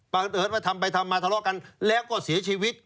เอิญว่าทำไปทำมาทะเลาะกันแล้วก็เสียชีวิต